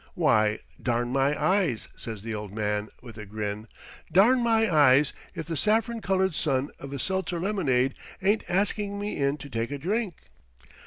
"Why, darn my eyes," says the old man, with a grin; "darn my eyes if the saffron coloured son of a seltzer lemonade ain't asking me in to take a drink.